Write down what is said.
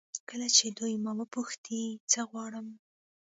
کله چې دوی ما وپوښتي څه غواړم.